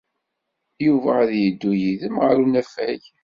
Yuba ad yeddu yid-wen ɣer unafag.